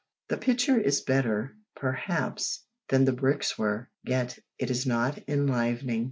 The picture is better, perhaps, than the bricks were, yet it is not enlivening.